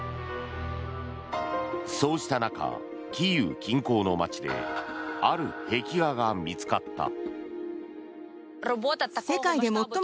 そうした中、キーウ近郊の街である壁画が見つかった。